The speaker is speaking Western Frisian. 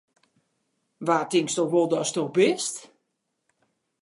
Wa tinksto wol datsto bist!